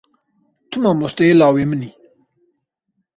Tu mamosteyê lawê min î.